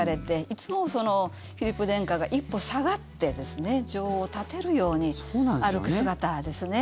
いつもフィリップ殿下が一歩下がって女王を立てるように歩く姿ですね